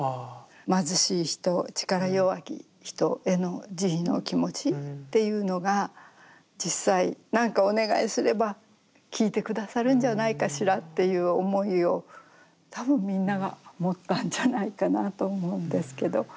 貧しい人力弱き人への慈悲の気持ちっていうのが実際なんかお願いすれば聞いて下さるんじゃないかしらっていう思いを多分みんなが持ったんじゃないかなと思うんですけど。